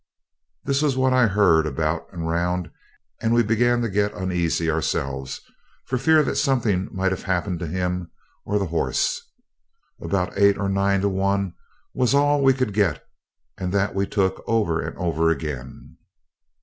This was what I heard about and round, and we began to get uneasy ourselves, for fear that something might have happened to him or the horse. About 8 or 9 to 1 was all we could get, and that we took over and over again.